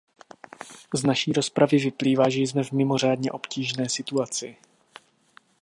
Z naší rozpravy vyplývá, že jsme v mimořádně obtížné situaci.